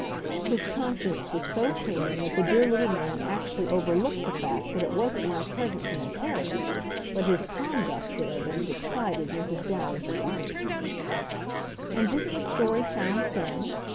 His conscience was so clean that the dear little man actually overlooked the fact that it wasn't my presence in the carriage, but his conduct there that had excited Mrs. Dowager Diamonds. And didn't the story sound thin?